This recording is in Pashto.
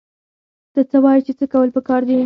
ته څه وايې چې څه کول پکار دي؟